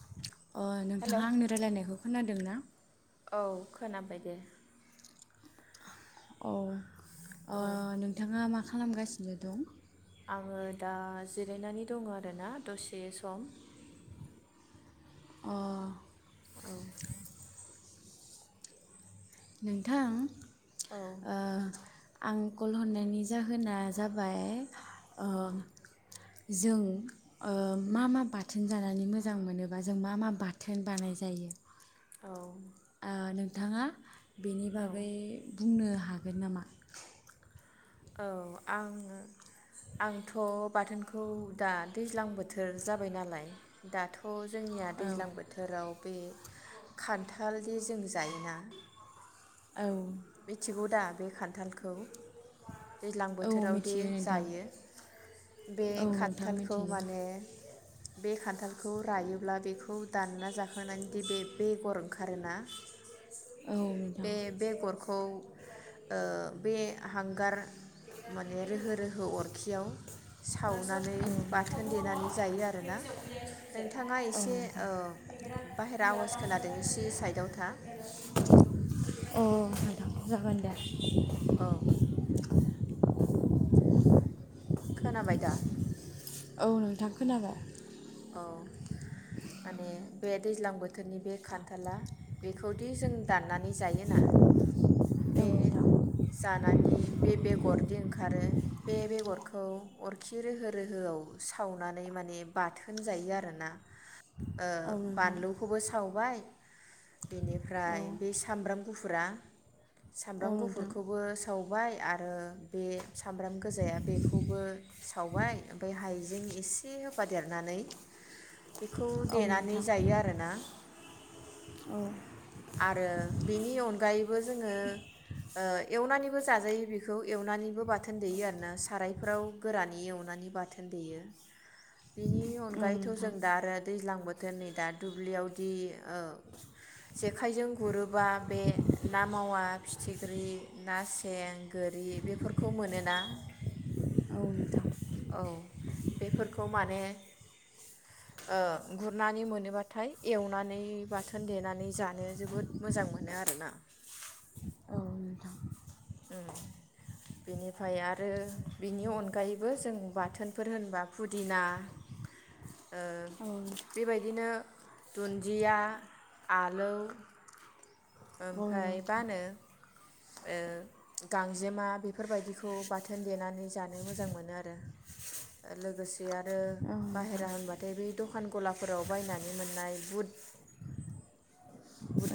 [inaudible] अ hello नोंथाङा आंनि रायलायनायखौ खोनाद दोंना औ खोनाबाय दे औ अ औ नोंथाङा मा खा खालामगासिनो दं? आङो दा जिरायनानै दङ आरोना दसे सम। अ औ नोंथां औ ओ आं कल हरनायनि जाहोना जाबाय ओह जों ओ मा मा बाथोन जानानै मोजां मोनोबा जों मा मा बाथोन बानाय जायो औ ओ नोंथाङा बेनि औ बागै बुंनो हा हागोन नामा? औ आं आंथ' बाथोनखौ दा दैज्लां बोथोर जाबाय नालाय दाथ' जोंनिया औ दैज्लां बोथोराव बे खान्थालदि जों जायोना औ मिथिगौ दा बे खान्थालखौ दैज्लां औ बोथोरावदि मिथियो नोंथां जायो बे औ नोंथां खान्थालखौ मिथियो माने बे खान्थाल खौ रायोब्ला बेखौ दानना जाखांनानैदि बे बेगर ओंखारोना औ नोंथां बे बेगरखौ ओ बे हांगार माने रोहो रोहो अरखियाव सावनानै बाथोन देनानै जायो आरोना औ नोंथाङा औ एसे नोंथां ओ बाहेरा आवाज खोनादों एसे साइडआव था अ नोंथां जागोन दे औ खोनाबाय दा औ नोंथां खोनाबाय औ माने बे दैज्लां बोथोरनि बे खान्थाला बेखौदि जों दाननानै जायोना औ बे नोंथां जानानै बे बेगरदि ओंखारो बे बेगरखौ अरखि रोहो रोहोआव सावनानै माने बाथो होनजायो आरोना ओ औ नोंथां बानलुखौबो साव बाय औ बेनिफ्राय बे सामब्राम गुफुरा औ सामब्राम गुफुरखौबो नोंथां सावबाय आरो रो बे सामब्राम गोजाया बेखौबो सावबाय ओमफ्राय हाइ जें इसे होफादेरनानै बेखौ औ देनानै नोंथां जायो आरोना। औ औ आरो बिनि अनगायैबो जोङो ओ एवना नानैबो जाजायो बेखौ एवनानैबो बाथोन देयो आरो ना सारायफोराव गोरानै एवनानै बाथोन देयो। बिनि अनगायैथ' जों नोंथां दा आरो दैज्लां बोथ थोन नै दा दुब्लियावदि ओ जेखाइजों गुरोबा बे ना मावा फिथिख्रि ना सें गोरि बेफोरखौ मोनो ना। औ नोंथां औ बेफोरखौ माने ओ गुरनानै मोनोबाथाय एवनानै बाथोन देनानै जानो जोबोद मोजां मोनो आरोना। औ नोंथां उम बेनिफ्राय आरो बिनि अनगायैबो जों बाथोनफोर होनबा फुदिना ओ औ बेबायदिनो दुन्दिया, आलौ औ ओमफ्राय नोंथां बानो ओ गांजेमा बेफोरबायदिखौ बाथोन देनानै जानो मोजां मोनो आरो लोगोसे आ रो औ नोंथां बाहेरा होनबाथाय बै दख दखान गलाफोराव बायनानै मोननाय बुट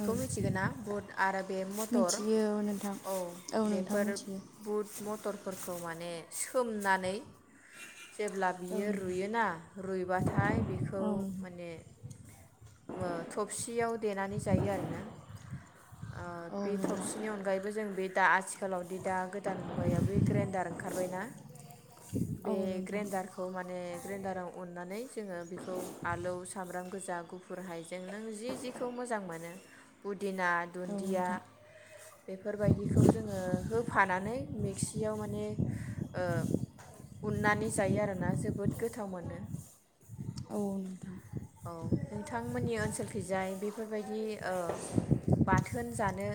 औ मिथिगो ना? बुट आरो बे मटर मिथियो औ नोंथां औ नोंथां बेफोर मिथियो बुट मथरफोर खौ माने सोमनानै जेब्ला औ बियो नोंथां रुयोना रुइबाथाय बेखौ औ माने मो थबसियाव देनानै जायो आरोना। ओ औ बे नोंथां थबसिनि अनगायैबो बो जों बे दा आथिखालावदि दा गोदान मुगायाव बे ग्रेइन्डार ओंखारबायना। औ बे नोंथां ग्रेनडारखौ माने ग्रेन्डाराव उननानै जोङो बेखौ आलौ सामब्राम गोजा, गुफ गुरहायजों नों जि जिखौ मोजां मोनो फुदिना औ दुन्दिया नोंथां बेफोरबायदिखौ जोङो होफानानै मिक्सियाव माने ओ उन्नानै जायो आरो ना जोबोद गोथाव मोनो। औ नोंथां। औ नोंथांमोननि ओनसोलखिजाय बेफोरबायदि ओ बाथोन जानो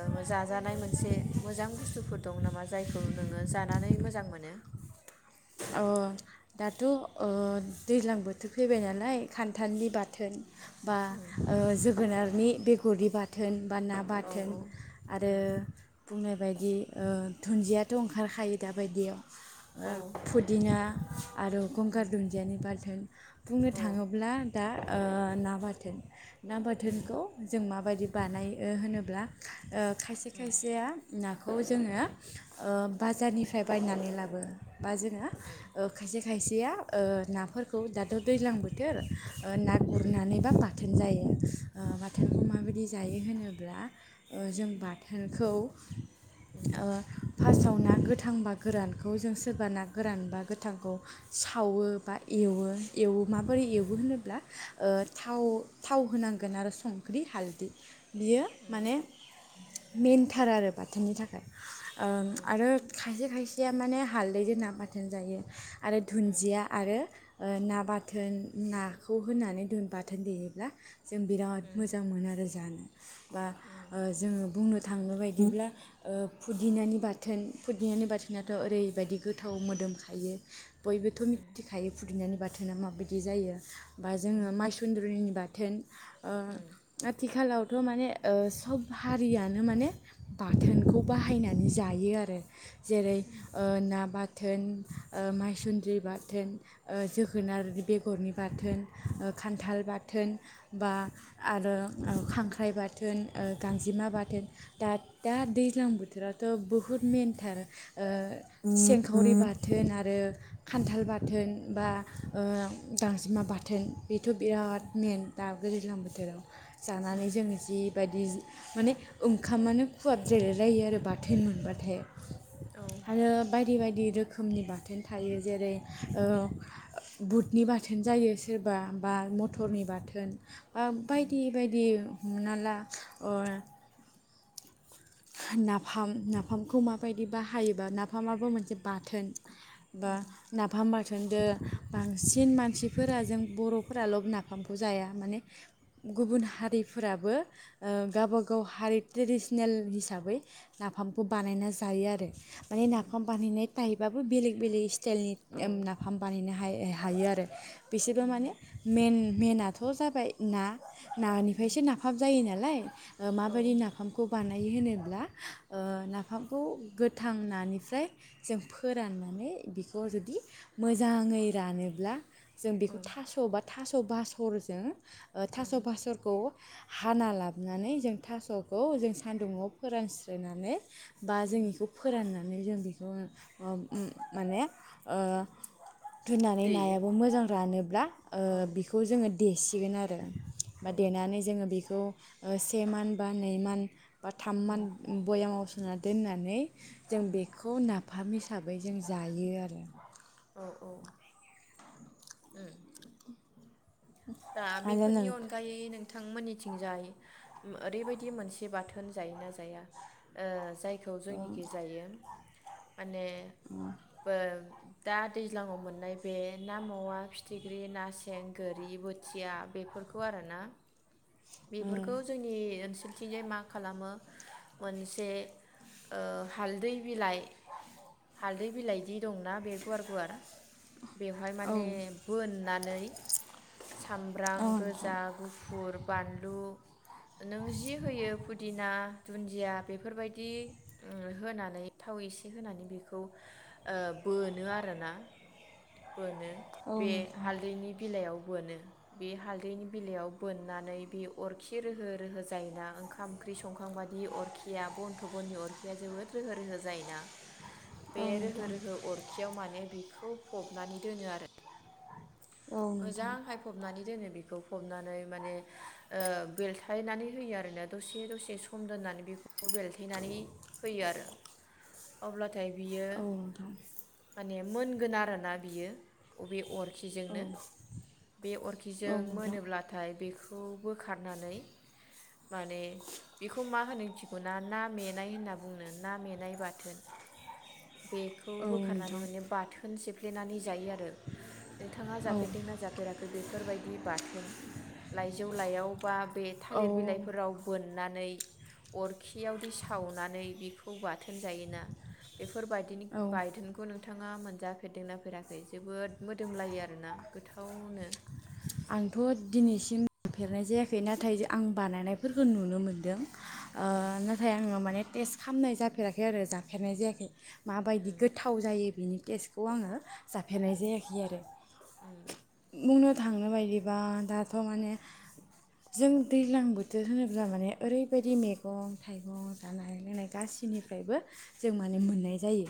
ओ जाजानाय मोनसे मोजां बुस्थुफोर दं नामा जायखौ नोङो जानानै मोजां मोनो। अ दाथ' ओ दैज्लां बोथोर फैबाय नालाय खान्थालनि बाथोन। बा ओ जोगोनारनि बेगरि बाथोन। बा ना औ बाथोन औ आरो बुंनाय बायद दि ओ दुन्दियाथ' ओंखारखायो दाबायदियाव। औ फुदिना। आरो गंगार दुन्दियानि बाथोन बुंनो औ थाङोब्ला दा ओ ना बाथोन ना बाथोनखौ जों माबायदि बानायो होनोब्ला ओ खायसे खायसेया नाखौ जोङो ओ बाजारनिफ्राय बायनानै लाबो बा जोङो ओ खायसे खायस सेया ओ नाफोरखौ दाथ' दैलां बोथोर ओ ना गुरनानैबा बाथोन जायो। ओ बाथोनखौ माबायदि जायो होनो ब्ला ओ जों बाथोनखौ ओ फार्स्टआव ना गोथां बा गोरानखौ जों सोरबा ना गोरान बा गोथांखौ सावो बा एवो एवो माबोरै एवो होनोब्ला ओ थाव थाव होनांगोन आरो संख्रि हालदि बियो माने मेनथार आरो बाथोननि थाखाय ओ आरो खायसे खायस सेया माने हालदैजों ना बाथोन जायो। आरो दुन्दिया आरो ओ ना बाथोन नाखौ होनानै दों बाथोन देयोब्ला जों बिराद उम मोजां मोनो आरो जानो। बा उम ओ जोङो बुंनो थांनो बायदिब्ला ओ फुदिनानि बाथोन फुदिनानि बाथोनाथ' ओरै बायदि गोथाव मोदोमखायो बयबोथ' मिथिखायो फु दिनानि बाथोना माबायदि जायो। बा जोङो मायसुन्द्रिनि बा थोन ओ आथिखालाव थ' माने ओ सब हारियानो माने बाथोनखौ बाहायनानै जायो आरो। जेरै ना बाथोन, ओ मायसुन्द्रि बाथोन, ओ जोगोनार बेगरनि बाथोन, खान्थाल बाथोन बा आरो खांख्राइ बाथोन, गांजेमा बाथोन, दा दा दैज्लां बोथोरावथ' बहुद मेनथार ओ सेंखावरि बाथोन आरो खान्थाल बाथोन बा ओ गांजेमा बाथोन। बेथ' बिराद मेन दा दैज्लां बोथोराव। जानानै जों जि बायदि माने ओंखामानो खुवाब जेलायलायो आरो बाथोन मोनबाथाय। औ। आरो बायदि बायदि रोखोमनि बाथोन थायो जेरै उम बुथ नि बाथोन जायो सोरबा बा मथरनि बाथोन बा बायदि बायदि हमना ला ओ नाफाम नाफामखौ माबायदि बाहायोबा नाफामाबो मोनसे बाथोन बा नाफाम बाथोनजों बांसिन मानसिफोरा जों बर'फोराल' नाफामखौ जाया माने गुबुन हारिफोराबो गावबागाव हारि ट्रेडिसनेल हिसाबै नाफामखौ बानायना जायो आरो। माने नाफाम बानहैनाय थाइायबाबो बेले बेलेग [unintelligible] सेलनि औ नाफाम बानायनो हायो। हायो आरो। बिसोरबो माने मेन मेनाथ' जाबाय ना। नानिफ्रायसो नाफाम जायो नालाय औ माबायदि नाफाम बानायो होनोब्ला नाफामखौ गोथां नानिफ्राय जों फोराननानै बेखौ जुदि मोजाङै रानोब्ला जों औ बेखौ थास' बा थास' बा बासरजों [unintelligible] थास' फास'रखौ हाना लाबनानै जों थास' खौ जों सान्दुुंआव फोरानस्रोनानै बा जों बेखौ फोराननो जों बिखौ ओ माने ओ दुनानै देयो नायाबो मोजां रानोब्ला ओ औ बिखौ जोङो देसि थिगोन आरो बा औ देनानै जोङो बेखौ से मान बा नैमान बा थाममान बयामावसोननानै दोननानै जों बेखौ नाफामि हिसाबै जों जायो आरो औ औ दा आरो बेफोरनि नों अनगायै नोंथांमोननि थिंजाय ओरैबायदि मोनसे बाथोन जायोना जाया जाय खौ जोंनिखि जायो माने बो दा दैज्लांङाव मोननाय बे ना मावा फिथिख्रि ना सें गोरि बो थिया बेफोरखौ आरोना बेफोरखौ जोंनि ओनसोल बिथिंजाय मा खालामो मोनसे ओ हालदै बिलाइ हालदै बिलाइदि दंना बे गुवार गुवार बेवहाय औ माने बोन नानै औ सामब्राम नोंथां गोजा गुफुर बानलु नों जि होयो फुदिना दुन्दिया बेफोरबायदि होनानै थाव इसे होनानै बेखौ बोनो आरोना बोनो औ बे नोंथां हालदैनि बिलाइयाव बोनो बे हालदैनि बिलायाव बोननानै बे अरखि रोहो रोहो जायोना ओंखाम ओंख्रि संखांबादि अरखिया बन थ बननि अरखिया जोबोद रोहो रोहो जायोना बे औ रोहो नोंथां रोहो अरखियाव माने बिखौ खौ फबनानै दोनो आरो औ नोंथां मोजांहायफबनानै दोनो बेंखौ फबनानै माने बेलथायनानै होयो आरोना दसे दसे सम दोननानै बेलथायनानै होयो आरो अब्ला नाथाय बियो औ नोंथां माने मोनगोन आरोना बियो बबे अर औ खिजोंनो बे अरखिजों नोंथां मोनोब्लाथाय बेखौ बोखारनानै माने बेखौ मा होनो मोथिगौना ना मेनाय होनना बुंनो ना मेनाय बाथोन। बेखौ औ बोखारनानै नोंथां माने बाथोन सिफ्ले देनानै जायो आरो नोंथाङा जाफेर जाफेरदोंना जाफेराखै बेफोरबायदि बाथोन लाइजौ लाइआव बा बे औ थालिर बिलाइफोराव बोन नानै अरखियावदि सावनानै बिखौ बाथोन जायोना बेफोर बेरफोरबायदिनि औ बायथोनखौ नुनो नोंथाङा मोनजाफेरदोंना फेराखै जोबोद मोदोमलायो आरोना। गोथावनो। आंथ दिनैसिमफेरनाय जायाखै नाथाय आं बानायनायफोरखौ नुनो मोनदों। ओ नाथाय आंङो माने टेस्ट खालामनाय जाफेराखै आरो जाफेरनाय जायाखै। माबायदि गोथाव जायो बेनि टेस्टखौ आङो। जाफेरनाय जायाखै आरो थांनो बायदिबा दाथ' माने जों दैज्लां बोथोर होनोब्ला माने ओरैबायदि मैगं थाइगं जानाय लोंनाय गासैनिफ्रायबो। जों माने मोननाय जायो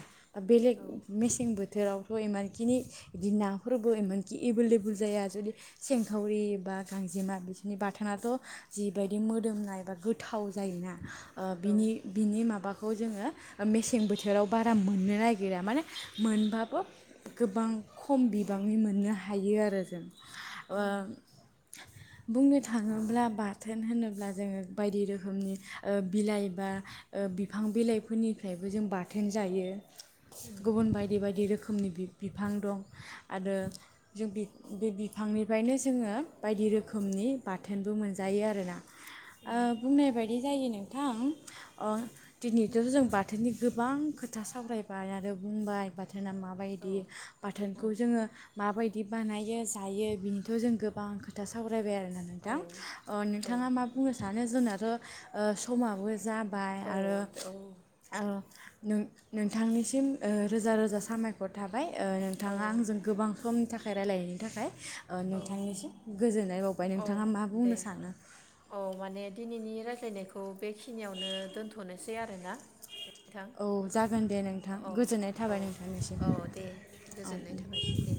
बेलेग औ मेसेंबो बोथोरावथ' इमानखिनि बिदि नाफोरबो इमानखि एभेलेबल जाया। जुदि सेंखावरि बा गांजेमा बिसोरनि बाथोनथ' जिबायदि मोदोमनाय बा गोथाव जायोना। ओ औ बिनि बिनि माबाखौ खौ जोङो मेसें बोथोराव बारा मोननो नागिरा माने मोन बाबो गोबां खम बिबाङै मोननो हायो आरो जों। ओ बुंनो थाङोब्ला बाथोन होनोब्ला जोङो बायदि रोखोमनि ओ बिलाइ बा ओ बिफां बिलाइफोरनिफ्रायबो जों बाथोन जायो। गुबुन बायदि बायदि रोखोम रोखोमनि बिफां दं आरो जों बे बिफांनिफ्रायनो जोङो बायदि रोखोमनि बाथोनबो मोनजायो आरोना। ओ बुंनाय बायदि दि जायो नोंथां ओ दिनैथ' जों बाथोननि गोबां खोथा सावरायबाय आरो बुंबाय ब बाथोना औ माबायदि बाथोनखौ जोङो माबायदि बि बानायो। दायो बिनिथ' जों गोबां खोथा सावरायबाय आरो औ नोंथां औ नोंथाङा मा बुंनो सानो जुनार ओ समाबो जा औ औ। नों नोंथांनिसिम रोजा रोजा साबायखर थाबाय। नोंथाङा औ आंजों गोबां समनि थाखाय। रायलायनायनि थाखाय। बि [unintelligible] औ नोंथांनिसिम गोजोननाय बावबाय औ नोंथाङा मा बुंनो दे सानो। ज्लायनायखौ बेखिनियावनो दोनथ'नोसै आरोना। नोंथां औ जागोन दे नोंथां औ गोजोननाय औ थाबाय नोंथांनिसिम औ दे औ। गोजोननाय थाबाय दे